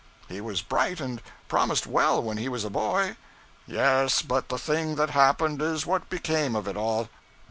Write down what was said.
'He was bright, and promised well when he was a boy.' 'Yes, but the thing that happened is what became of it all.'